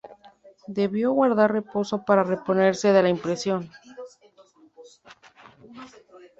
Debió guardar reposo para reponerse de la impresión.